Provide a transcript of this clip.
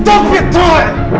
untuk menambahkan ke cruc chopsticks